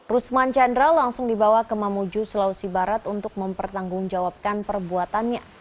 rusman chandra langsung dibawa ke mamuju sulawesi barat untuk mempertanggungjawabkan perbuatannya